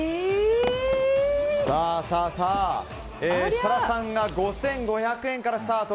設楽さんが５５００円からスタート。